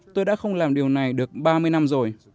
tôi đã không làm điều này được ba mươi năm rồi